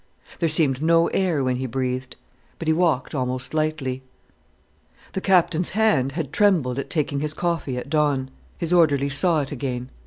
There seemed no air when he breathed. But he walked almost lightly. The Captain's hand had trembled at taking his coffee at dawn: his orderly saw it again.